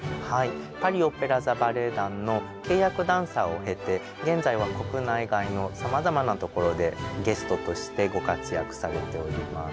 パリ・オペラ座バレエ団の契約ダンサーを経て現在は国内外のさまざまなところでゲストとしてご活躍されております。